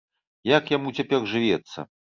Як яму цяпер жывецца.